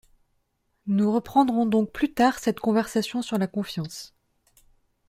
Nous reprendrons donc plus tard cette conversation sur la confiance.